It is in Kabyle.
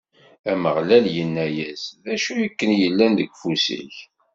Ameɣlal inna-as: D acu akken yellan deg ufus-ik?